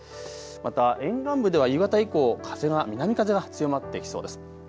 また沿岸部では夕方以降、南風が強まってきそうです。